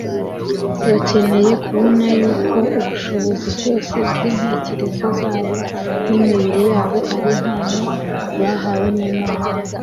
bakeneye kubona yuko ubushobozi bwose bw'intekerezo zabo n'imibiri yabo ari impano bahabwa n'imana